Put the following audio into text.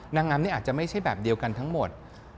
นางงามนี่อาจจะไม่ใช่แบบเดียวกันทั้งหมด